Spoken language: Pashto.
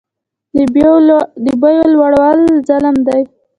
د بیو لوړول ظلم دی